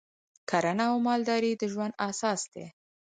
کرنه او مالداري د ژوند اساس و